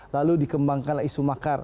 lalu dikembangkanlah isu makar